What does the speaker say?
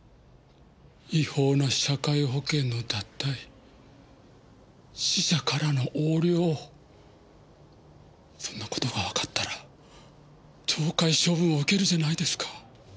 違法な社会保険の脱退死者からの横領そんなことがわかったら懲戒処分を受けるじゃないですか。